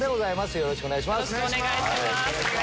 よろしくお願いします。